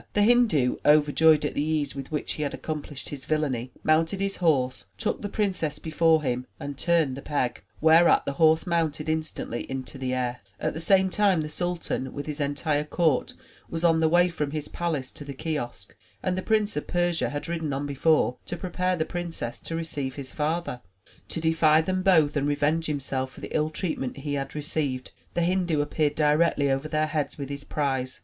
The Hindu, overjoyed at the ease with which he had accom plished his villainy, moimted his horse, took the princess before him and turned the peg, whereat the horse mounted instantly into the air. 48 THE TREASURE CHEST At the same time, the sultan, with his entire court, was on the way from his palace to the kiosk, and the Prince of Persia had ridden on before to prepare the princess to receive his father. To defy them both and revenge himself for the ill treatment he had received, the Hindu appeared directly over their heads with his prize.